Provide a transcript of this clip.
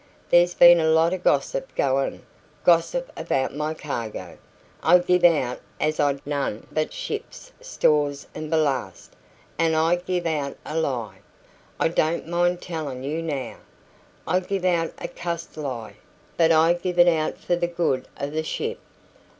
There's been a lot o' gossip goin', gossip about my cargo. I give out as I'd none but ship's stores and ballast, an' I give out a lie. I don't mind tellin' you now. I give out a cussed lie, but I give it out for the good o' the ship!